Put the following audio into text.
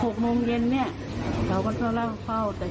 หกโมงเย็นเนี่ยเราก็ต้องรับเข้าแต่พอ